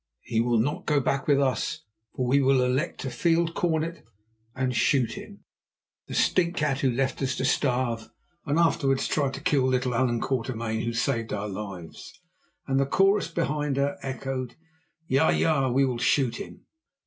"He will not go back with us, for we will elect a field cornet and shoot him—the stinkcat, who left us to starve and afterwards tried to kill little Allan Quatermain, who saved our lives"; and the chorus behind her echoed: "Ja, ja, we will shoot him."